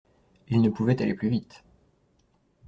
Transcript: Il ne pouvait aller plus vite...